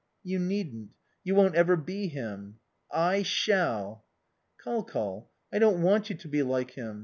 "You needn't. You won't ever be him." "I shall." "Col Col, I don't want you to be like him.